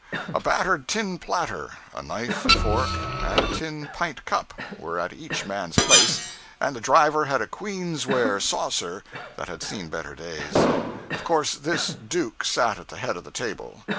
A battered tin platter, a knife and fork, and a tin pint cup, were at each man's place, and the driver had a queens ware saucer that had seen better days. Of course this duke sat at the head of the table.